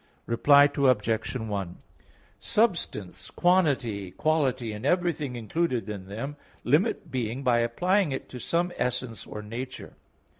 Reply Obj. 1: Substance, quantity, quality, and everything included in them, limit being by applying it to some essence or nature.